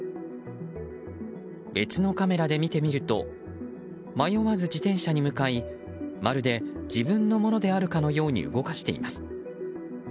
別のカメラで見てみると迷わず自転車に向かいまるで自分のものであるかのように動かしています。